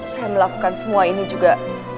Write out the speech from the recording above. saya melakukan semua ini juga